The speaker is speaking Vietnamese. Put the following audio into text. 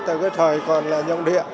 từ cái thời còn là nhượng địa